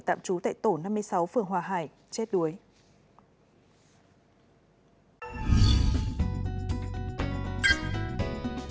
tạm trú tại tổ năm mươi sáu phường hòa hải chết đuối